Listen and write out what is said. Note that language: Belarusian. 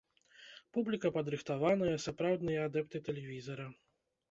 Публіка падрыхтаваная, сапраўдныя адэпты тэлевізара.